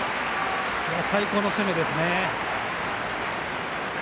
最高の攻めですね。